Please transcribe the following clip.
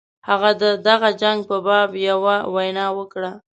هغه د دغه جنګ په باب یوه وینا وکړه.